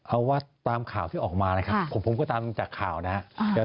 เอาว่าตามข่าวที่ออกมานะครับผมก็ตามจากข่าวนะครับ